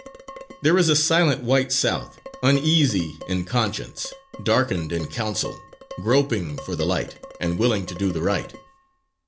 There is a silent white South, uneasy in conscience, darkened in counsel, groping for the light, and willing to do the right.